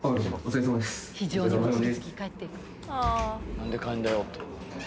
・何で帰んだよって。